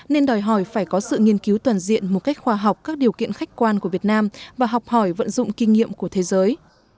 nên đòi hỏi phải có sự nghiên cứu toàn diện một cách khoa học các điều kiện khách quan của việt nam và học hỏi vận dụng kinh nghiệm của thế giới